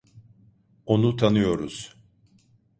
Onu tanıyoruz.